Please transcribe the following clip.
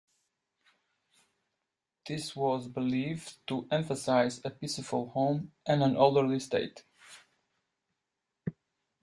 This was believed to emphasize a peaceful home and an orderly state.